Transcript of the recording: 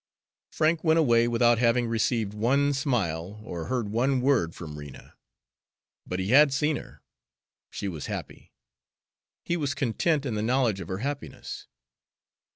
Frank went away without having received one smile or heard one word from Rena; but he had seen her: she was happy; he was content in the knowledge of her happiness.